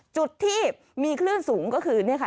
จุดที่มีคลื่นสูงก็คือนี่ค่ะ